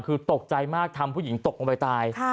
คือตกใจมากทำผู้หญิงตกลงไปตาย